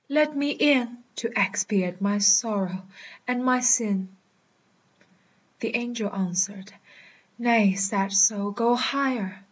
Let me in To expiate my sorrow and my sin." The angel answered, "Nay, sad soul, go higher!